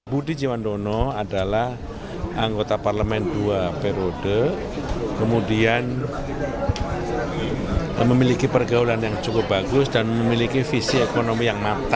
budi jiwandono adalah anggota parlemen dua periode kemudian memiliki pergaulan yang cukup bagus dan memiliki visi ekonomi yang matang